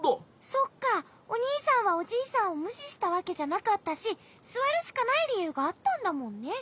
そっかおにいさんはおじいさんをむししたわけじゃなかったしすわるしかないりゆうがあったんだもんね。